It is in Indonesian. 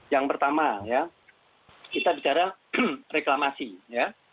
yang pertama ya kita bicara reklamasi ya